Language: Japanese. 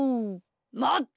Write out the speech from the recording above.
まって！